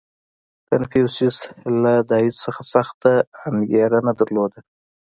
• کنفوسیوس له دایو څخه سخته انګېرنه درلوده.